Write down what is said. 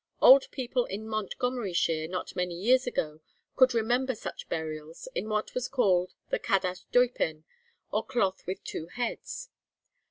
Old people in Montgomeryshire not many years ago, could remember such burials, in what was called the cadach deupen, or cloth with two heads.